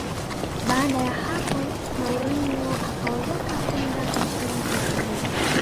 baada ya hapo mourinho akaondoka kwenda nchini hispania